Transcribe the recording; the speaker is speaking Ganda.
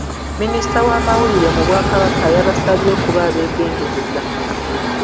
Minisita w'amawulire mu Bwakabaka yabasabye okuba abeegendereza.